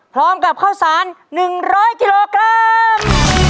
พร้อมกับข้าวสาร๑๐๐กิโลกรัม